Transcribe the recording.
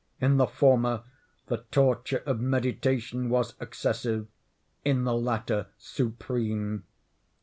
In the former, the torture of meditation was excessive—in the latter, supreme.